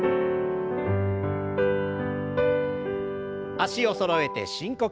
脚をそろえて深呼吸。